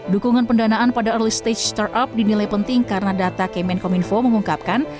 dukungan pendanaan pada early stage startup dinilai penting karena data kemenkominfo mengungkapkan